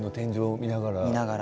見ながら。